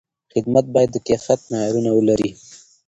خدمت باید د کیفیت معیارونه ولري.